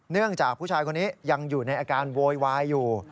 เนื่องจากผู้ชายคนนี้ยังอยู่ในอาการโวยวายอยู่